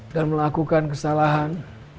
dan melakukan kesalahan